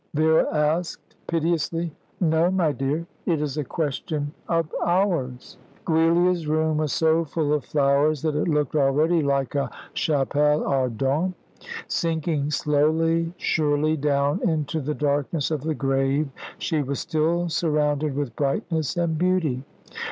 Vera asked piteously. "No, my dear. It is a question of hours." Giulia's room was so full of flowers that it looked already like a chapelle ardente. Sinking slowly, surely, down into the darkness of the grave, she was still surrounded with brightness and beauty.